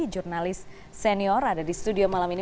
jurnalis senior ada di studio malam ini